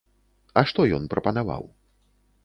А што ён прапанаваў?